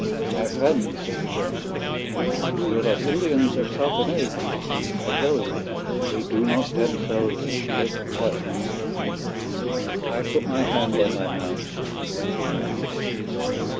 "My friend," said the German, "dey vas Indians of Sout' America. I dell you dey do not demselves shtrip vell." I put my hand on my mouth and went away.